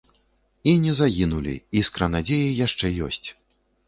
І не загінулі, іскра надзеі яшчэ ёсць.